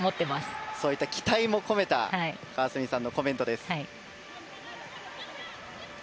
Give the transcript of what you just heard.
そういう期待も込めた川澄さんのコメントです。